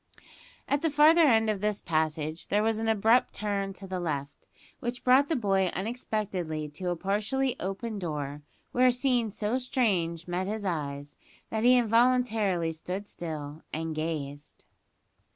At the farther end of this passage, there was an abrupt turn to the left, which brought the boy unexpectedly to a partially open door, where a scene so strange met his eyes that he involuntarily stood still and gazed.